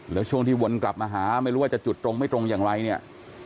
แล้วช่วงที่วนกลับมาหาไม่รู้ว่าจะจุดตรงไม่ตรงอย่างไรเนี่ย